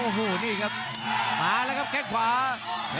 โอ้โหโอ้โหโอ้โห